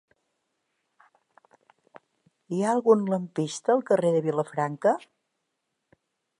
Hi ha algun lampista al carrer de Vilafranca?